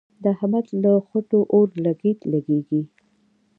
د احمد له خوټو اورلګيت لګېږي.